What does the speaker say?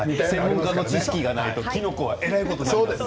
知識がないと、きのこはえらいことになります。